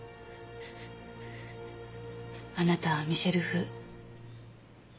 あなたはミシェル・フウ。